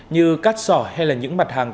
như cát sỏ hay là những mặt hàng